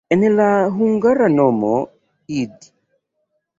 En la hungara nomo "id.